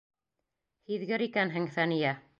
Һиҙгер икәнһең, Фәниә.